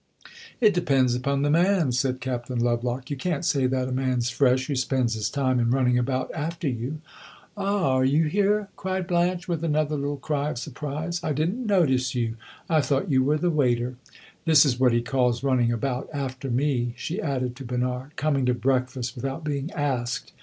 "It depends upon the man," said Captain Lovelock. "You can't say that a man 's fresh who spends his time in running about after you!" "Ah, are you here?" cried Blanche with another little cry of surprise. "I did n't notice you I thought you were the waiter. This is what he calls running about after me," she added, to Bernard; "coming to breakfast without being asked.